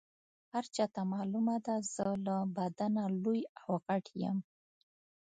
هر چاته معلومه ده زه له بدنه لوی او غټ یم.